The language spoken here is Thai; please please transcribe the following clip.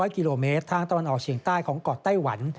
กิโลเมตรทางตะวันออกเฉียงใต้ของเกาะไต้หวัน